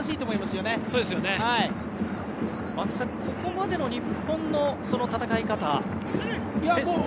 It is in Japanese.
ここまでの日本の戦い方は。